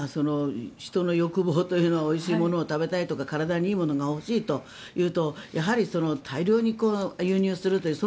人の欲望というのはおいしいものを食べたいとか体にいいものが欲しいというとやはり大量に輸入すると。